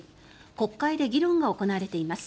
国会で議論が行われています。